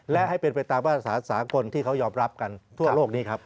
และให้เป็นไปตามภาษาสากลที่เขายอมรับกันทั่วโลกนี้ครับ